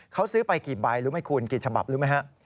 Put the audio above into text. เขาซื้อไปกี่ใบรู้ไหมคุณกี่ฉบับรู้ไหมฮะ